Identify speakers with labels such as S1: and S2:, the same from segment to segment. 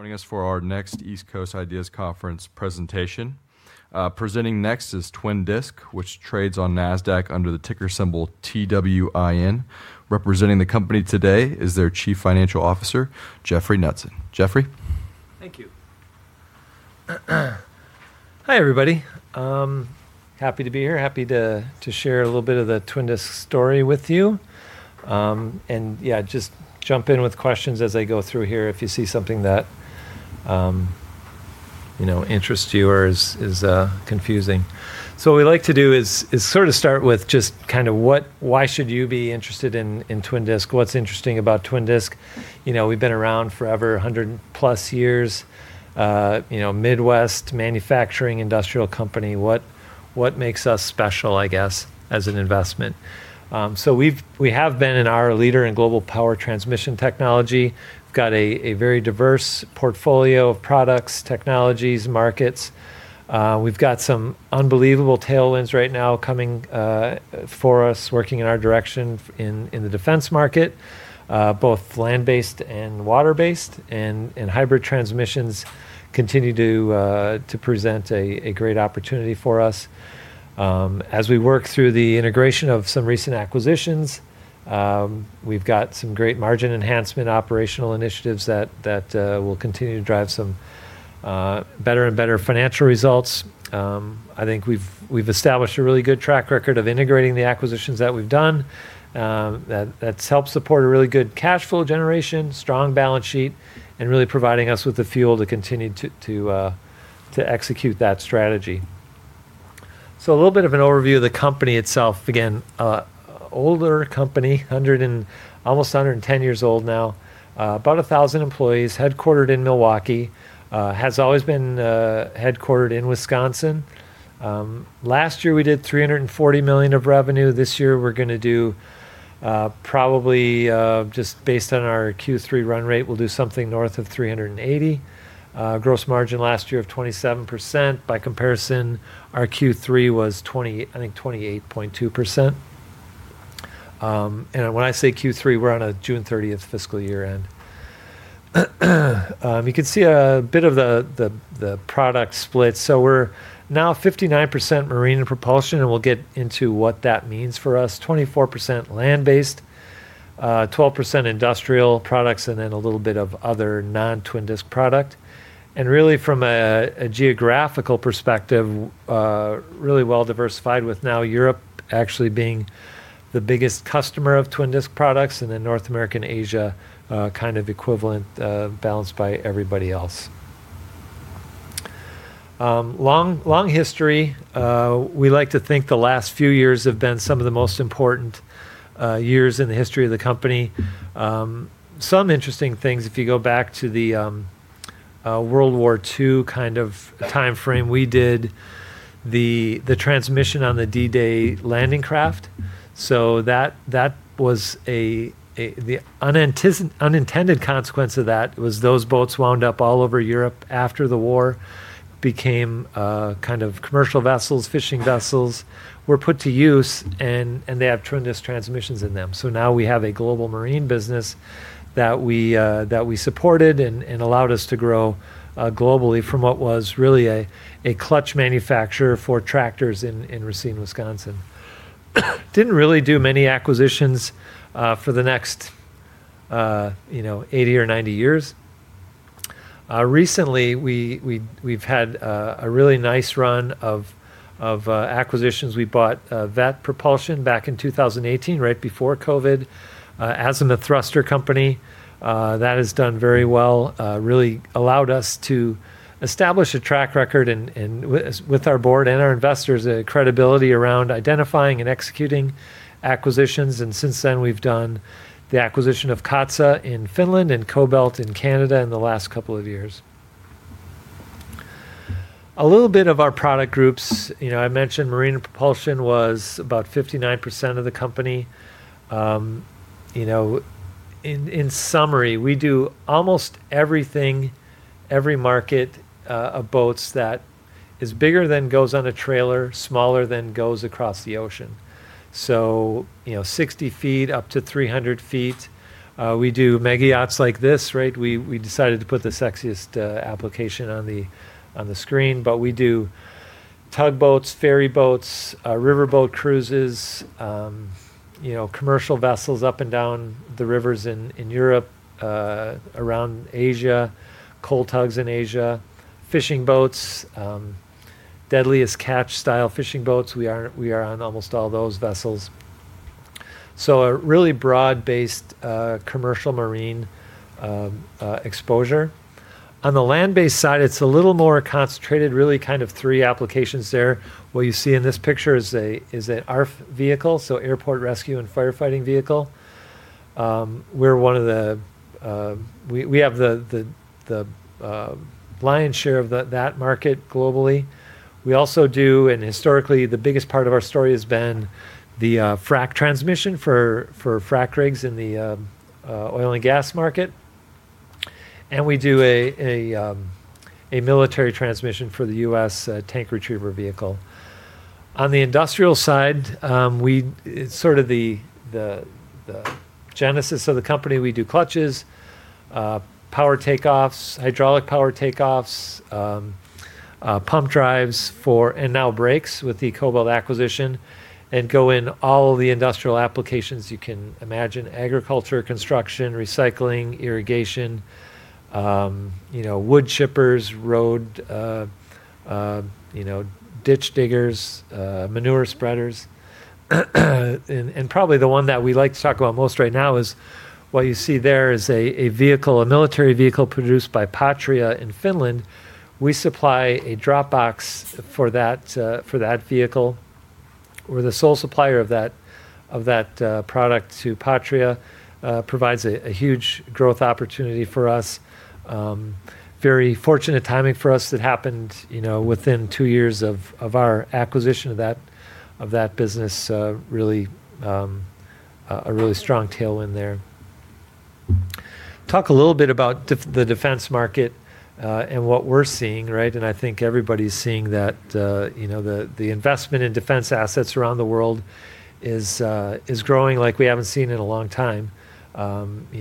S1: Joining us for our next East Coast IDEAS Conference presentation. Presenting next is Twin Disc, which trades on Nasdaq under the ticker symbol TWIN. Representing the company today is their Chief Financial Officer, Jeffrey Knutson. Jeffrey?
S2: Thank you. Hi, everybody. Happy to be here. Happy to share a little bit of the Twin Disc story with you. Yeah, just jump in with questions as I go through here if you see something that interests you or is confusing. What we like to do is start with just why should you be interested in Twin Disc? What's interesting about Twin Disc? We've been around forever, 100+ years. Midwest manufacturing industrial company. What makes us special, I guess, as an investment? We have been and are a leader in global power transmission technology. We've got a very diverse portfolio of products, technologies, markets. We've got some unbelievable tailwinds right now coming for us, working in our direction in the defense market both Land-Based and water-based, hybrid transmissions continue to present a great opportunity for us. As we work through the integration of some recent acquisitions, we've got some great margin enhancement operational initiatives that will continue to drive some better and better financial results. I think we've established a really good track record of integrating the acquisitions that we've done. That's helped support a really good cash flow generation, strong balance sheet, and really providing us with the fuel to continue to execute that strategy. A little bit of an overview of the company itself. Again, older company, almost 110 years old now. About 1,000 employees, headquartered in Milwaukee. Has always been headquartered in Wisconsin. Last year, we did $340 million of revenue. This year, we're going to do, probably just based on our Q3 run rate, we'll do something north of $380. Gross margin last year of 27%. By comparison, our Q3 was, I think, 28.2%. When I say Q3, we're on a June 30th fiscal year end. You can see a bit of the product split. We're now 59% Marine & Propulsion, and we'll get into what that means for us. 24% Land-Based, 12% Industrial Products, and then a little bit of other non-Twin Disc product. Really from a geographical perspective, really well-diversified with now Europe actually being the biggest customer of Twin Disc products and then North America and Asia kind of equivalent, balanced by everybody else. Long history. We like to think the last few years have been some of the most important years in the history of the company. Some interesting things, if you go back to the World War II kind of timeframe, we did the transmission on the D-Day landing craft. The unintended consequence of that was those boats wound up all over Europe after the war, became commercial vessels, fishing vessels, were put to use, and they have Twin Disc transmissions in them. Now we have a global marine business that we supported and allowed us to grow globally from what was really a clutch manufacturer for tractors in Racine, Wisconsin. Didn't really do many acquisitions for the next 80 or 90 years. Recently, we've had a really nice run of acquisitions. We bought Veth Propulsion back in 2018, right before COVID, an azimuth thruster company that has done very well. Really allowed us to establish a track record with our board and our investors, a credibility around identifying and executing acquisitions. Since then, we've done the acquisition of Katsa in Finland and Kobelt in Canada in the last couple of years. A little bit of our product groups. I mentioned marine propulsion was about 59% of the company. In summary, we do almost everything, every market of boats that is bigger than goes on a trailer, smaller than goes across the ocean. 60 ft up to 300 ft. We do mega yachts like this. We decided to put the sexiest application on the screen. We do tugboats, ferry boats, riverboat cruises, commercial vessels up and down the rivers in Europe, around Asia, coal tugs in Asia, fishing boats, Deadliest Catch style fishing boats. We are on almost all those vessels. A really broad-based commercial marine exposure. On the Land-Based side, it's a little more concentrated, really three applications there. What you see in this picture is an ARFF vehicle, so airport rescue and firefighting vehicle. We have the lion's share of that market globally. We also do, historically, the biggest part of our story has been the frack transmission for frack rigs in the oil and gas market. We do a military transmission for the U.S. tank retriever vehicle. On the Industrial side, it's sort of the genesis of the company. We do clutches, power takeoffs, hydraulic power takeoffs, pump drives, and now brakes with the Kobelt acquisition, and go in all of the industrial applications you can imagine: agriculture, construction, recycling, irrigation, wood chippers, road ditch diggers, manure spreaders. Probably the one that we like to talk about most right now is what you see there is a military vehicle produced by Patria in Finland. We supply a drop box for that vehicle. We're the sole supplier of that product to Patria. Provides a huge growth opportunity for us. Very fortunate timing for us. That happened within two years of our acquisition of that business. A really strong tailwind there. Talk a little bit about the defense market and what we're seeing. I think everybody's seeing that the investment in defense assets around the world is growing like we haven't seen in a long time.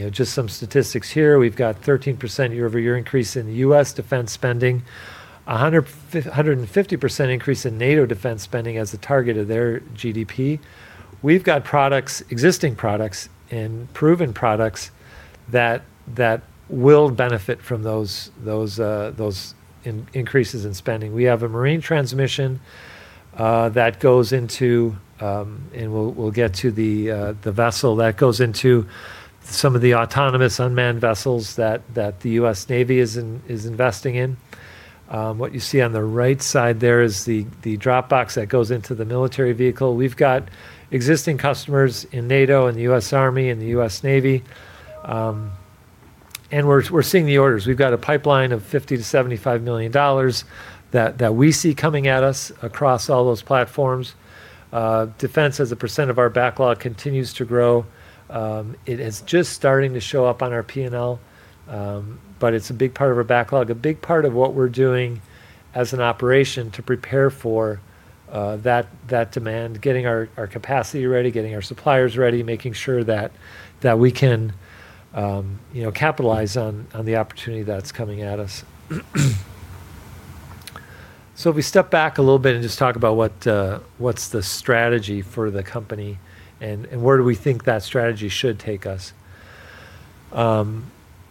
S2: Just some statistics here. We've got a 13% year-over-year increase in U.S. defense spending, a 150% increase in NATO defense spending as a target of their GDP. We've got existing products and proven products that will benefit from those increases in spending. We have a marine transmission that goes into, and we'll get to the vessel, that goes into some of the autonomous unmanned vessels that the U.S. Navy is investing in. What you see on the right side there is the drop box that goes into the military vehicle. We've got existing customers in NATO and the U.S. Army and the U.S. Navy. We're seeing the orders. We've got a pipeline of $50 million-$75 million that we see coming at us across all those platforms. Defense as a % of our backlog continues to grow. It is just starting to show up on our P&L, but it's a big part of our backlog. A big part of what we're doing as an operation to prepare for that demand, getting our capacity ready, getting our suppliers ready, making sure that we can capitalize on the opportunity that's coming at us. If we step back a little bit and just talk about what's the strategy for the company and where do we think that strategy should take us.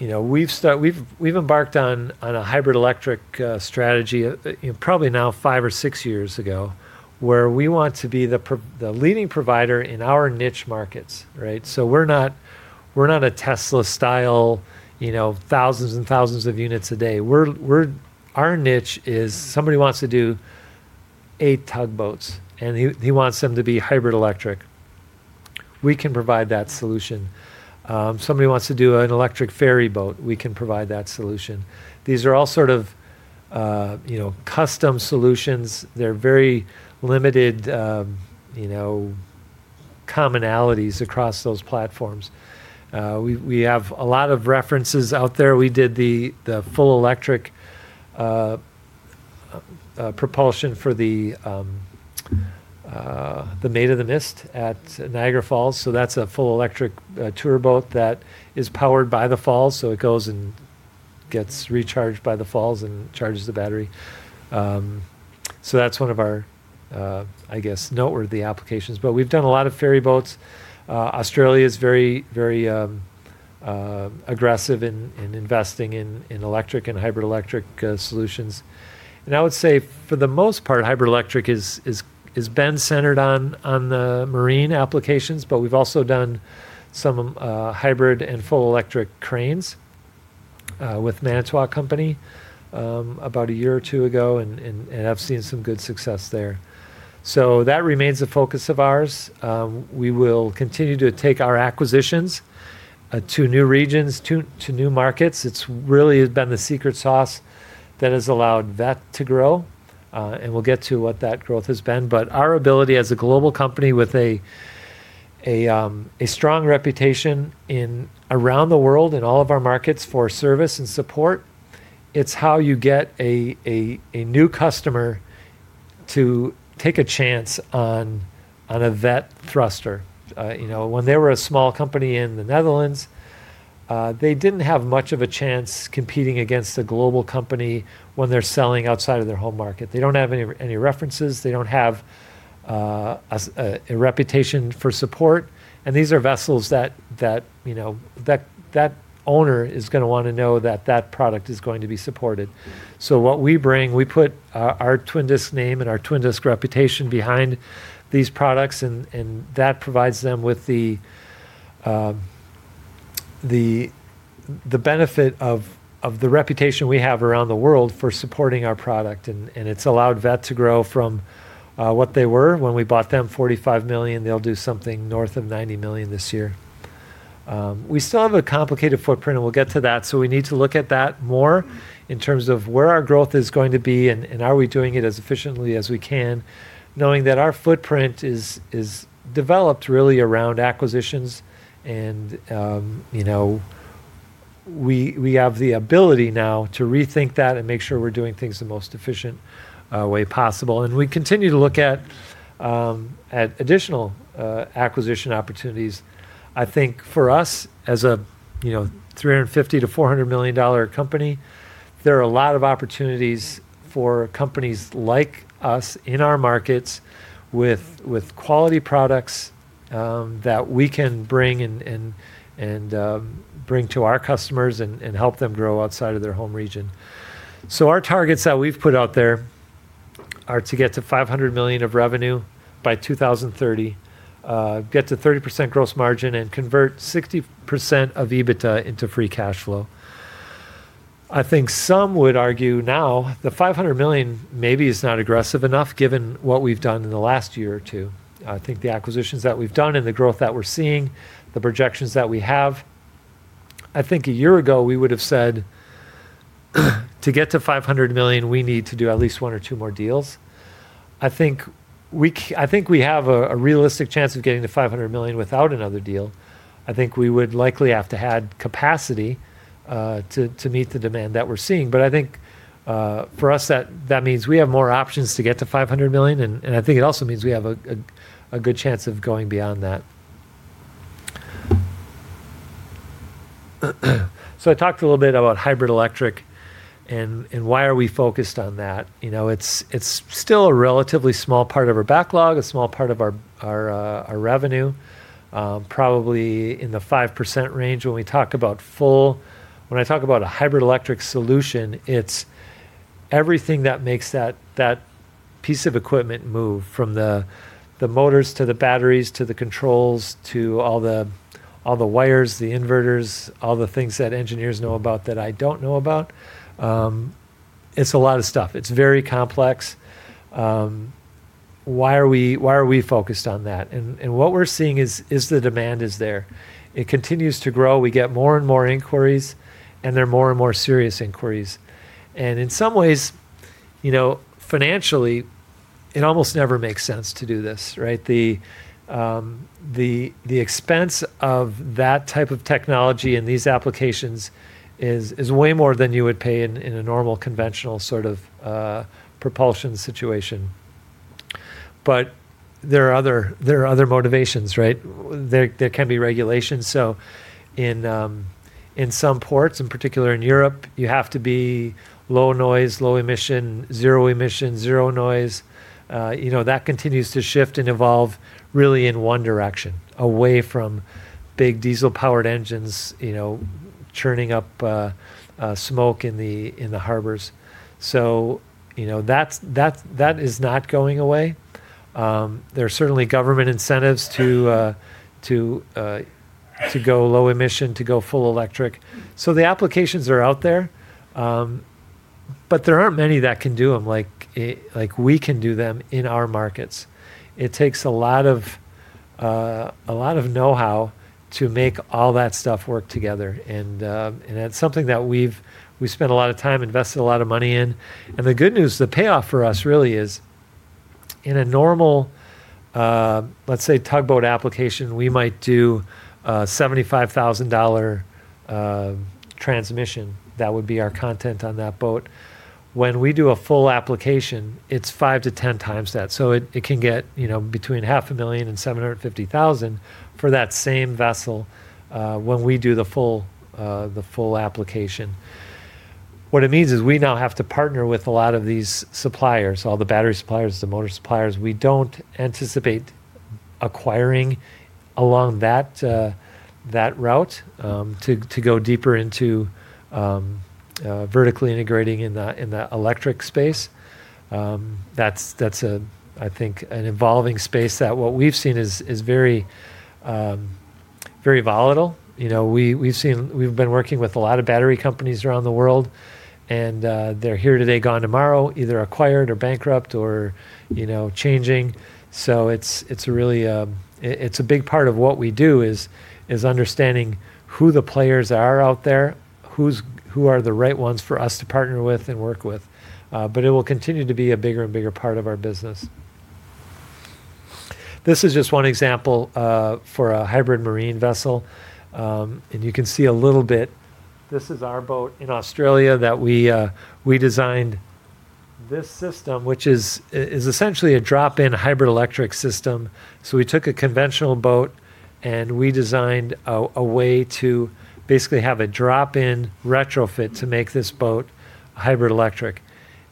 S2: We've embarked on a hybrid electric strategy probably now five or six years ago, where we want to be the leading provider in our niche markets. We're not a Tesla style, 1,000s and 1,000s of units a day. Our niche is somebody wants to do eight tugboats, and he wants them to be hybrid electric. We can provide that solution. Somebody wants to do an electric ferry boat, we can provide that solution. These are all sort of custom solutions. They're very limited commonalities across those platforms. We have a lot of references out there. We did the full electric propulsion for the Maid of the Mist at Niagara Falls. That's a full electric tour boat that is powered by the falls, it goes and gets recharged by the falls and charges the battery. That's one of our, I guess, noteworthy applications. We've done a lot of ferry boats. Australia's very aggressive in investing in electric and hybrid electric solutions. I would say, for the most part, hybrid electric has been centered on the marine applications. We've also done some hybrid and full electric cranes with Manitowoc Company about a year or two ago, and have seen some good success there. That remains a focus of ours. We will continue to take our acquisitions to new regions, to new markets. It really has been the secret sauce that has allowed that to grow. We'll get to what that growth has been. Our ability as a global company with a strong reputation around the world in all of our markets for service and support, it's how you get a new customer to take a chance on a Veth thruster. When they were a small company in the Netherlands, they didn't have much of a chance competing against a global company when they're selling outside of their home market. They don't have any references. They don't have a reputation for support. These are vessels that that owner is going to want to know that that product is going to be supported. What we bring, we put our Twin Disc name and our Twin Disc reputation behind these products, and that provides them with the benefit of the reputation we have around the world for supporting our product. It's allowed Veth to grow from what they were when we bought them, $45 million. They'll do something north of $90 million this year. We still have a complicated footprint, and we'll get to that. We need to look at that more in terms of where our growth is going to be and are we doing it as efficiently as we can, knowing that our footprint has developed really around acquisitions. We have the ability now to rethink that and make sure we're doing things the most efficient way possible. We continue to look at additional acquisition opportunities. I think for us, as a $350 million-$400 million company, there are a lot of opportunities for companies like us in our markets with quality products that we can bring to our customers and help them grow outside of their home region. Our targets that we've put out there are to get to $500 million of revenue by 2030, get to 30% gross margin, and convert 60% of EBITDA into free cash flow. I think some would argue now the $500 million maybe is not aggressive enough given what we've done in the last year or two. I think the acquisitions that we've done and the growth that we're seeing, the projections that we have, I think a year ago, we would've said to get to $500 million, we need to do at least one or two more deals. I think we have a realistic chance of getting to $500 million without another deal. I think we would likely have to have capacity to meet the demand that we're seeing. I think for us, that means we have more options to get to $500 million, and I think it also means we have a good chance of going beyond that. I talked a little bit about hybrid electric and why are we focused on that. It's still a relatively small part of our backlog, a small part of our revenue, probably in the 5% range. When I talk about a hybrid electric solution, it's everything that makes that piece of equipment move, from the motors to the batteries, to the controls, to all the wires, the inverters, all the things that engineers know about that I don't know about. It's a lot of stuff. It's very complex. Why are we focused on that? What we're seeing is the demand is there. It continues to grow. We get more and more inquiries, and they're more and more serious inquiries. In some ways, financially, it almost never makes sense to do this, right? The expense of that type of technology in these applications is way more than you would pay in a normal, conventional sort of propulsion situation. There are other motivations, right? There can be regulations. In some ports, in particular in Europe, you have to be low noise, low emission, zero emission, zero noise. That continues to shift and evolve really in one direction, away from big diesel-powered engines churning up smoke in the harbors. That is not going away. There are certainly government incentives to go low emission, to go full electric. The applications are out there, but there aren't many that can do them like we can do them in our markets. That's something that we've spent a lot of time, invested a lot of money in. The good news, the payoff for us really is in a normal, let's say, tugboat application, we might do a $75,000 transmission. That would be our content on that boat. When we do a full application, it's five to 10 times that, so it can get between $500,000 and $750,000 for that same vessel when we do the full application. What it means is we now have to partner with a lot of these suppliers, all the battery suppliers, the motor suppliers. We don't anticipate acquiring along that route, to go deeper into vertically integrating in the electric space. That's, I think, an evolving space that what we've seen is very volatile. We've been working with a lot of battery companies around the world. They're here today, gone tomorrow, either acquired or bankrupt or changing. It's a big part of what we do is understanding who the players are out there, who are the right ones for us to partner with and work with. It will continue to be a bigger and bigger part of our business. This is just one example for a hybrid marine vessel. You can see a little bit. This is our boat in Australia that we designed this system, which is essentially a drop-in hybrid electric system. We took a conventional boat, and we designed a way to basically have a drop-in retrofit to make this boat hybrid electric.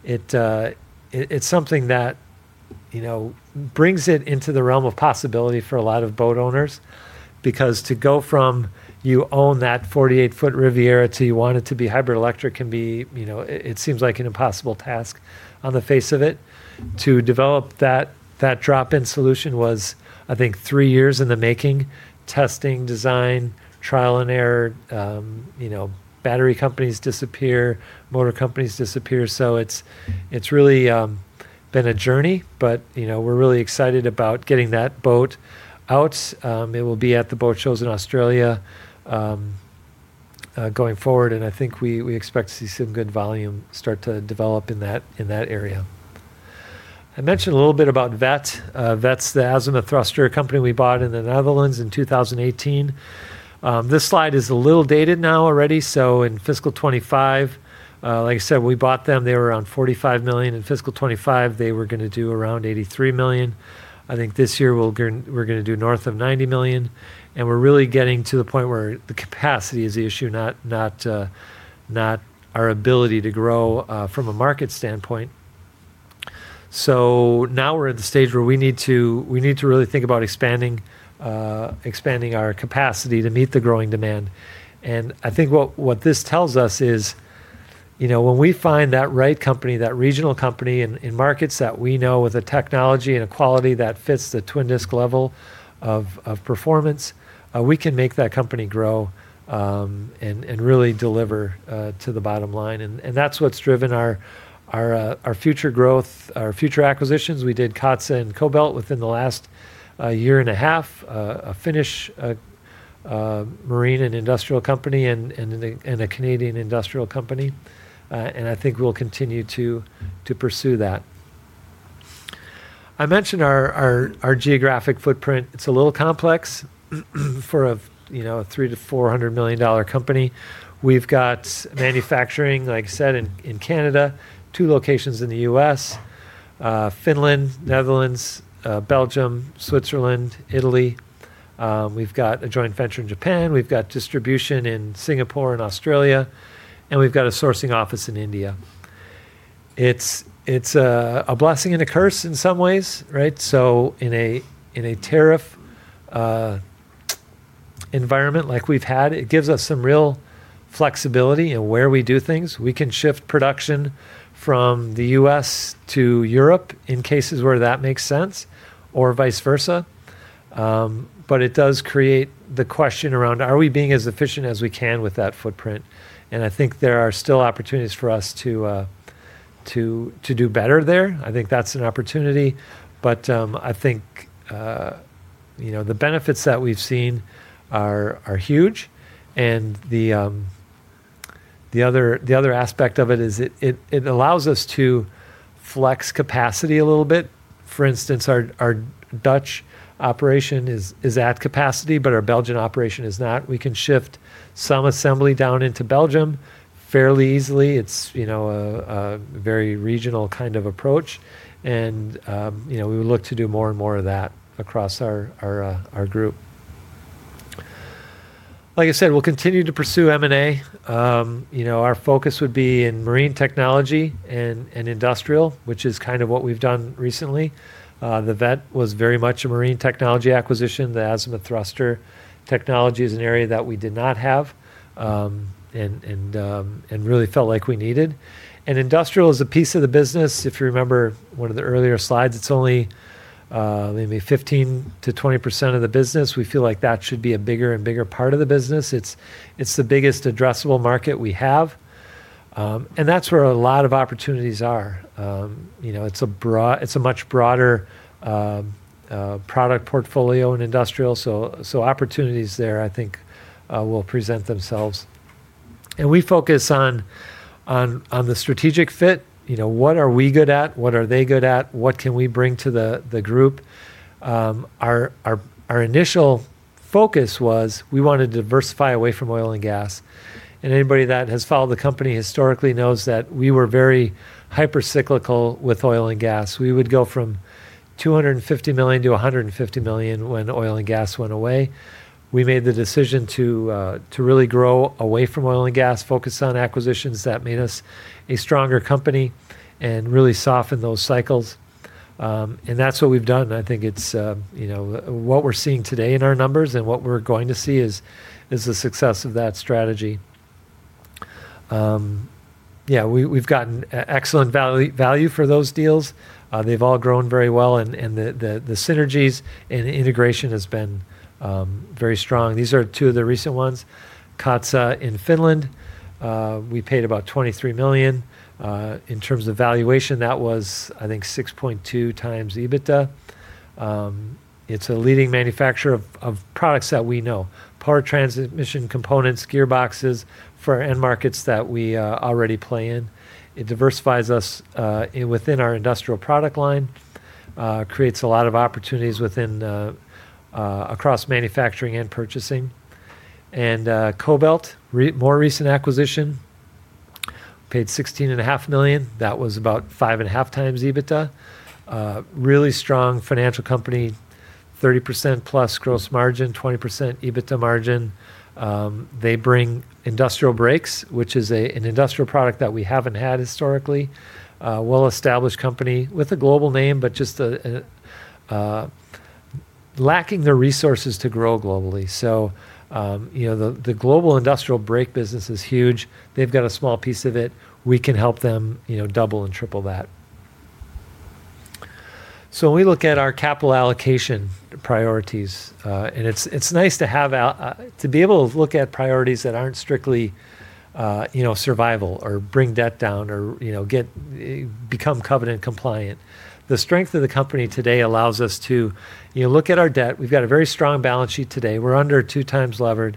S2: It's something that brings it into the realm of possibility for a lot of boat owners because to go from you own that 48-ft Riviera to you want it to be hybrid electric can be. It seems like an impossible task on the face of it. To develop that drop-in solution was, I think, three years in the making. Testing, design, trial and error. Battery companies disappear. Motor companies disappear. It's really been a journey, but we're really excited about getting that boat out. It will be at the boat shows in Australia going forward, and I think we expect to see some good volume start to develop in that area. I mentioned a little bit about Veth. Veth's the azimuth thruster company we bought in the Netherlands in 2018. This slide is a little dated now already. In fiscal 2025, like I said, we bought them, they were around $45 million. In fiscal 2025, they were going to do around $83 million. I think this year we're going to do north of $90 million, and we're really getting to the point where the capacity is the issue, not our ability to grow from a market standpoint. Now we're at the stage where we need to really think about expanding our capacity to meet the growing demand. I think what this tells us is, when we find that right company, that regional company in markets that we know with a technology and a quality that fits the Twin Disc level of performance, we can make that company grow, and really deliver to the bottom line. That's what's driven our future growth, our future acquisitions. We did Katsa and Kobelt within the last year and a half, a Finnish marine and industrial company and a Canadian industrial company. I think we'll continue to pursue that. I mentioned our geographic footprint. It's a little complex for a $300 million-$400 million company. We've got manufacturing, like I said, in Canada, two locations in the U.S., Finland, Netherlands, Belgium, Switzerland, Italy. We've got a joint venture in Japan. We've got distribution in Singapore and Australia, and we've got a sourcing office in India. It's a blessing and a curse in some ways, right? In a tariff environment like we've had, it gives us some real flexibility in where we do things. We can shift production from the U.S. to Europe in cases where that makes sense, or vice versa. It does create the question around, are we being as efficient as we can with that footprint? I think there are still opportunities for us to do better there. I think that's an opportunity. I think, the benefits that we've seen are huge. The other aspect of it is it allows us to flex capacity a little bit. For instance, our Dutch operation is at capacity, but our Belgian operation is not. We can shift some assembly down into Belgium fairly easily. It's a very regional kind of approach. We would look to do more and more of that across our group. Like I said, we'll continue to pursue M&A. Our focus would be in marine technology and industrial, which is kind of what we've done recently. The Veth was very much a marine technology acquisition. The azimuth thruster technology is an area that we did not have, and really felt like we needed. Industrial is a piece of the business, if you remember one of the earlier slides, it's only maybe 15%-20% of the business. We feel like that should be a bigger and bigger part of the business. It's the biggest addressable market we have. That's where a lot of opportunities are. It's a much broader product portfolio in industrial. Opportunities there, I think, will present themselves. We focus on the strategic fit. What are we good at? What are they good at? What can we bring to the group? Our initial focus was we want to diversify away from oil and gas. Anybody that has followed the company historically knows that we were very hyper-cyclical with oil and gas. We would go from $250 million-$150 million when oil and gas went away. We made the decision to really grow away from oil and gas, focus on acquisitions that made us a stronger company and really soften those cycles. That's what we've done. I think what we're seeing today in our numbers and what we're going to see is the success of that strategy. We've gotten excellent value for those deals. They've all grown very well and the synergies and integration has been very strong. These are two of the recent ones. Katsa in Finland, we paid about $23 million. In terms of valuation, that was, I think, 6.2x EBITDA. It's a leading manufacturer of products that we know. Power transmission components, gearboxes for end markets that we already play in. It diversifies us within our industrial product line, creates a lot of opportunities across manufacturing and purchasing. Kobelt, more recent acquisition, paid $16.5 million. That was about 5.5x EBITDA. Really strong financial company, 30%+ gross margin, 20% EBITDA margin. They bring industrial brakes, which is an industrial product that we haven't had historically. Well-established company with a global name, but just lacking the resources to grow globally. The global industrial brake business is huge. They've got a small piece of it. We can help them double and triple that. When we look at our capital allocation priorities, it's nice to be able to look at priorities that aren't strictly survival, or bring debt down, or become covenant compliant. The strength of the company today allows us to look at our debt. We've got a very strong balance sheet today. We're under 2x levered.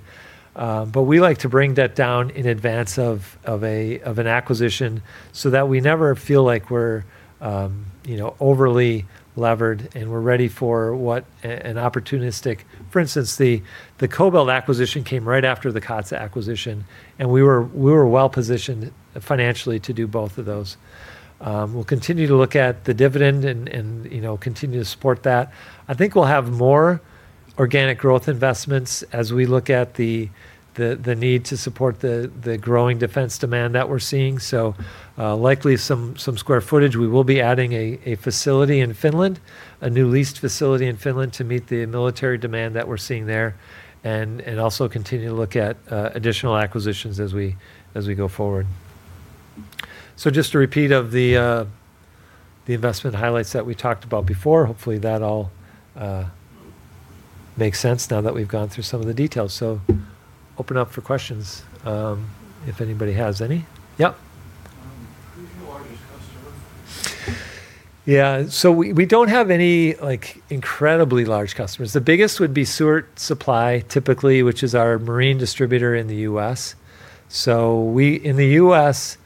S2: We like to bring debt down in advance of an acquisition so that we never feel like we're overly levered and we're ready for. For instance, the Kobelt acquisition came right after the Katsa acquisition. We were well-positioned financially to do both of those. We'll continue to look at the dividend and continue to support that. I think we'll have more organic growth investments as we look at the need to support the growing defense demand that we're seeing. Likely some square footage. We will be adding a facility in Finland, a new leased facility in Finland to meet the military demand that we're seeing there, also continue to look at additional acquisitions as we go forward. Just a repeat of the investment highlights that we talked about before. Hopefully that all makes sense now that we've gone through some of the details. Open up for questions, if anybody has any. Yep.
S3: Who's your largest customer?
S2: Yeah. We don't have any incredibly large customers. The biggest would be Sewart Supply, typically, which is our marine distributor in the U.S. In the U.S.,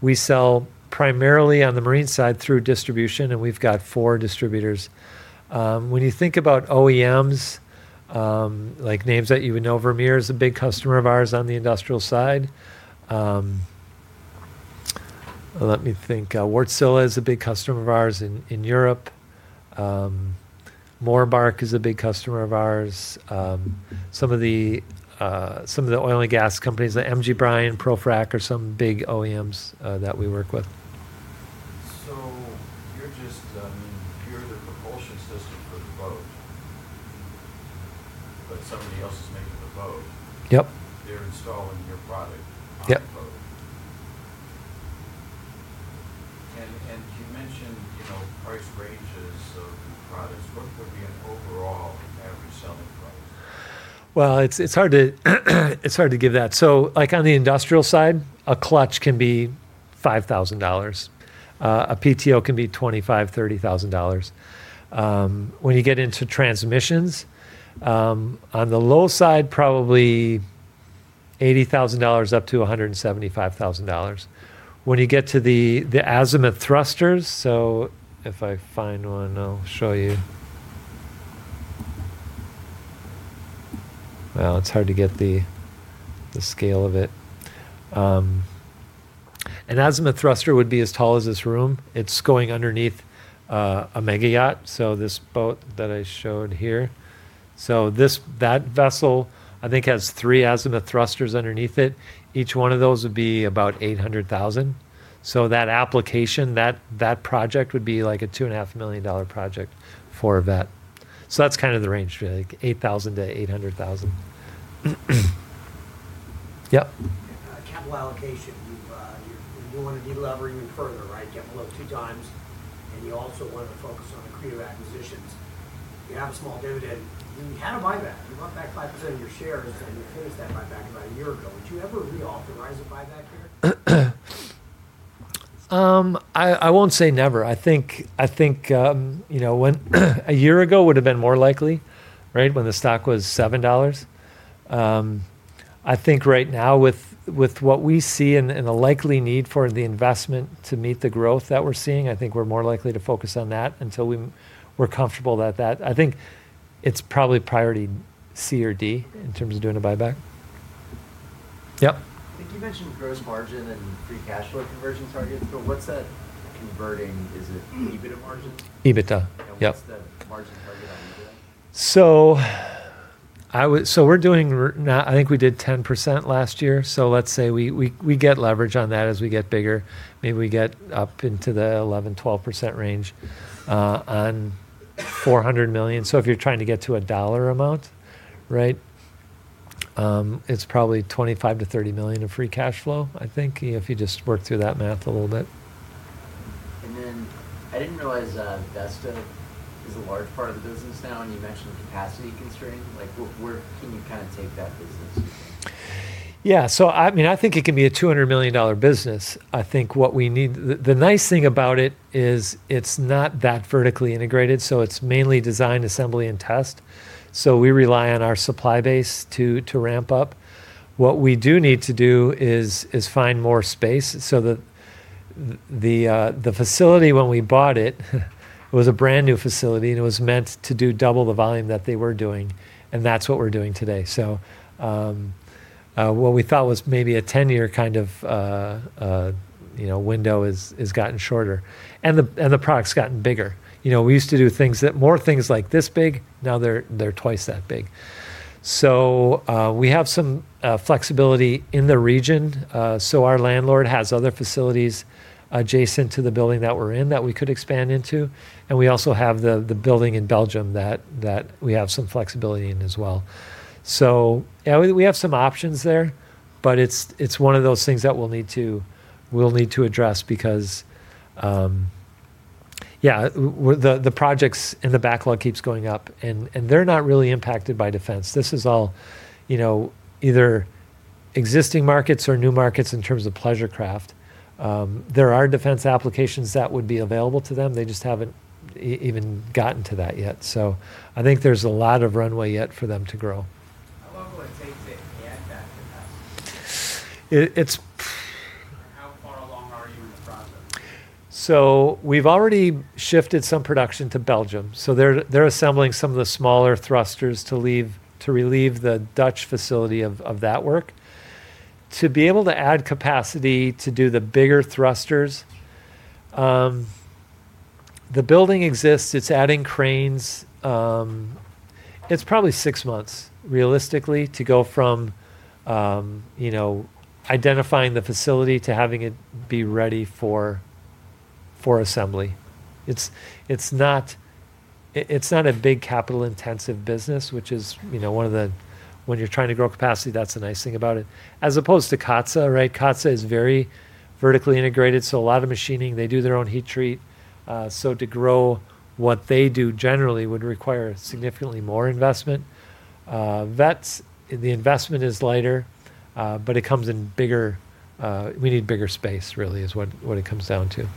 S2: we sell primarily on the marine side through distribution, and we've got four distributors. When you think about OEMs, names that you would know, Vermeer is a big customer of ours on the industrial side. Let me think. Wärtsilä is a big customer of ours in Europe. Morbark is a big customer of ours. Some of the oil and gas companies, M.G. Bryan, ProFrac, are some big OEMs that we work with.
S3: You're the propulsion system for the boat, but somebody else is making the boat.
S2: Yep.
S3: They're installing your product.
S2: Yep
S3: On the boat. You mentioned price ranges of products. What would be an overall average selling price?
S2: Well, it's hard to give that. On the industrial side, a clutch can be $5,000. A PTO can be $25,000, $30,000. When you get into transmissions, on the low side, probably $80,000 up to $175,000. When you get to the azimuth thrusters, if I find one, I'll show you. Well, it's hard to get the scale of it. An azimuth thruster would be as tall as this room. It's going underneath a mega yacht, this boat that I showed here. That vessel, I think, has three azimuth thrusters underneath it. Each one of those would be about $800,000. That application, that project would be a $2.5 million project for a Veth. That's kind of the range, $8,000-$800,000. Yep.
S3: Capital allocation. You want to de-lever even further, right? Get below two times. You also want to focus on accretive acquisitions. You have a small dividend. You had a buyback. You bought back 5% of your shares. You finished that buyback about a year ago. Would you ever reauthorize a buyback here?
S2: I won't say never. I think a year ago would've been more likely, when the stock was $7. I think right now with what we see and the likely need for the investment to meet the growth that we're seeing, I think we're more likely to focus on that until we're comfortable at that. I think it's probably priority C or D in terms of doing a buyback. Yep.
S3: I think you mentioned gross margin and free cash flow conversion targets. What's that converting? Is it EBITDA margins?
S2: EBITDA. Yep.
S3: What's the margin target on EBITDA?
S2: We're doing, I think we did 10% last year. Let's say we get leverage on that as we get bigger. Maybe we get up into the 11%-12% range on $400 million. If you're trying to get to a dollar amount, it's probably $25 million-$30 million of free cash flow, I think, if you just work through that math a little bit.
S3: I didn't realize Veth is a large part of the business now, and you mentioned capacity constraint. Where can you take that business, do you think?
S2: I think it can be a $200 million business. The nice thing about it is it's not that vertically integrated, it's mainly design, assembly, and test. We rely on our supply base to ramp up. What we do need to do is find more space. The facility when we bought it was a brand new facility, and it was meant to do double the volume that they were doing, and that's what we're doing today. What we thought was maybe a 10-year window has gotten shorter, and the product's gotten bigger. We used to do more things like this big. Now they're twice that big. We have some flexibility in the region. Our landlord has other facilities adjacent to the building that we're in that we could expand into, and we also have the building in Belgium that we have some flexibility in as well. Yeah, we have some options there, but it's one of those things that we'll need to address because. The projects in the backlog keeps going up, they're not really impacted by defense. This is all either existing markets or new markets in terms of pleasure craft. There are defense applications that would be available to them. They just haven't even gotten to that yet. I think there's a lot of runway yet for them to grow.
S3: How long will it take to add that capacity?
S2: It's
S3: How far along are you in the process?
S2: We've already shifted some production to Belgium. They're assembling some of the smaller thrusters to relieve the Dutch facility of that work. To be able to add capacity to do the bigger thrusters, the building exists, it's adding cranes. It's probably six months, realistically, to go from identifying the facility to having it be ready for assembly. It's not a big capital-intensive business, which is, when you're trying to grow capacity, that's the nice thing about it. As opposed to Katsa, right? Katsa is very vertically integrated, so a lot of machining. They do their own heat treat. To grow what they do generally would require significantly more investment. Veth, the investment is lighter, but we need bigger space, really, is what it comes down to.
S3: Do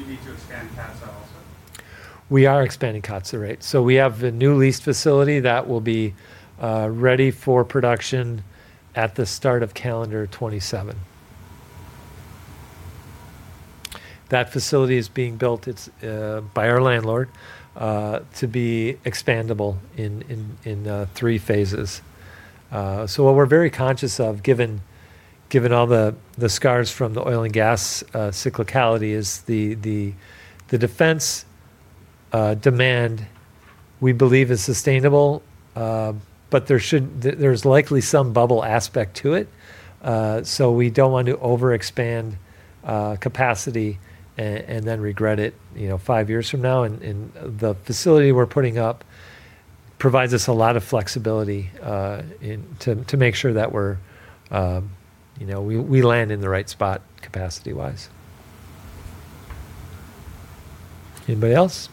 S3: you need to expand Katsa also?
S2: We are expanding Katsa, right. We have a new leased facility that will be ready for production at the start of calendar 2027. That facility is being built by our landlord, to be expandable in three phases. What we're very conscious of, given all the scars from the oil and gas cyclicality, is the defense demand we believe is sustainable. There's likely some bubble aspect to it. We don't want to overexpand capacity and then regret it five years from now. The facility we're putting up provides us a lot of flexibility to make sure that we land in the right spot capacity-wise. Anybody else?